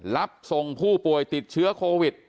รับส่งผู้ป่วยติดเชื้อโควิด